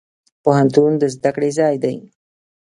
پوهنتون د زده کړي ځای دی.